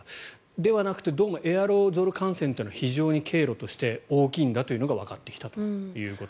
ではなくてどうもエアロゾル感染というのは非常に経路として大きいんだというのがわかってきたと。